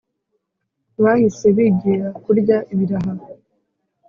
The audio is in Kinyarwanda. Bahise bigira kurya ibiraha